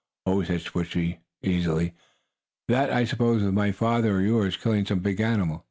"Oh," said Switchie, easily, "that, I suppose, was my father, or yours, killing some big animal.